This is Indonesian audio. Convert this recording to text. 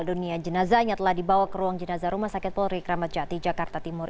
dunia jenazahnya telah dibawa ke ruang jenazah rumah sakit polri kramat jati jakarta timur